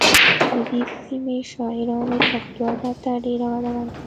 د دې سیمې شاعرانو پښتو ادب ته ډېره وده ورکړه